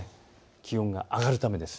気温が上がるためです。